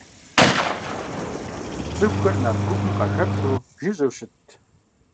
ЦӀыхухэр нарт гупым къахэплъэу жыжьэу щытт.